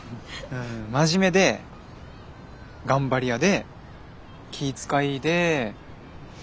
真面目で頑張り屋で気ぃ遣いでかわいい。